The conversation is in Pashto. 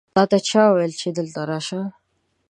تاته چا وویل چې دلته راشه؟